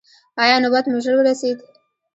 ایا نوبت مو ژر ورسید؟